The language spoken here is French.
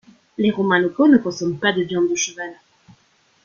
Les Roumains locaux ne consomment pas de viande de cheval.